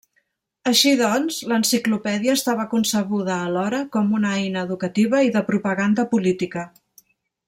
Així doncs, l'enciclopèdia estava concebuda alhora com una eina educativa i de propaganda política.